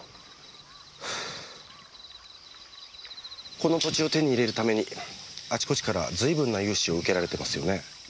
この土地を手に入れるためにあちこちから随分な融資を受けられてますよね。